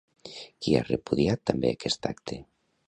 Qui ha repudiat també aquest acte?